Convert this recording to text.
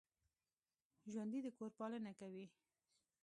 ژوندي د کور پالنه کوي